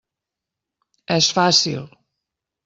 És fàcil.